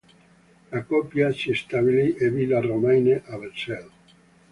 La coppia si stabilì a villa Romaine, a Versailles.